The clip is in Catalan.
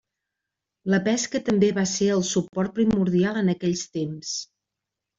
La pesca també va ser el suport primordial en aquells temps.